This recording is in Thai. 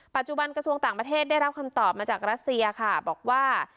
ปัจจุบันกระทรวงต่างประเทศได้รับคำตอบมาจากรัสเซียค่ะบอกว่า